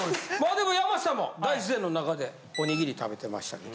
でも山下も大自然の中でおにぎり食べてましたけど。